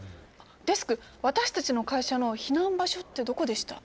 デスク私たちの会社の避難場所ってどこでした？